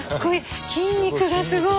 筋肉がすごい。